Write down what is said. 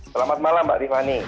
selamat malam mbak divani